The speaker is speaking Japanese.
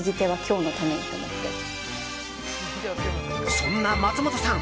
そんな松本さん